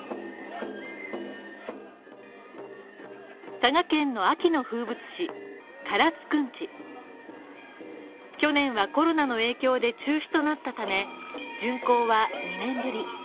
佐賀県の秋の風物詩唐津くんち去年はコロナの影響で中止となったため巡行は２年ぶり。